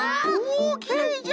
おきれいじゃ！